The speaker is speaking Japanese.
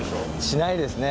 しないですね。